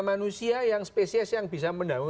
manusia yang spesies yang bisa mendahulu